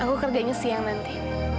aku kerjanya siang nanti